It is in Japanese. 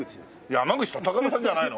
山口さん高田さんじゃないの？